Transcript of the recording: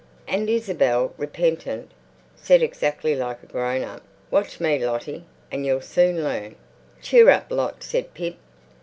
And Isabel, repentant, said exactly like a grown up, "Watch me, Lottie, and you'll soon learn." "Cheer up, Lot," said Pip.